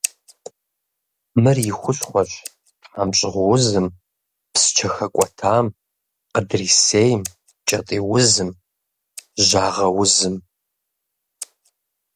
Мыр и хущхъуэщ тхьэмщӏыгъуузым, псчэ хэкӏуэтам, къыдрисейм, кӏэтӏийузым, жьагъэузым.